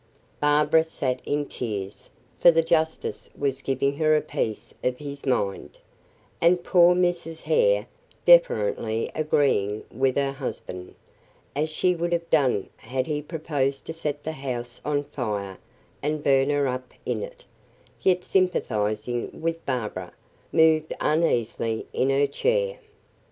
Barbara sat in tears, for the justice was giving her a "piece of his mind," and poor Mrs. Hare deferently agreeing with her husband, as she would have done had he proposed to set the house on fire and burn her up in it, yet sympathizing with Barbara, moved uneasily in her chair.